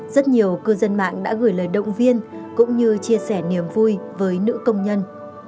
rất nhiều cư dân mạng đã gửi lời động viên cũng như chia sẻ niềm vui với nữ công nhân